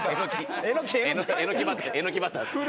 えのきバターです。